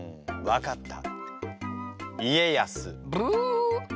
わかった。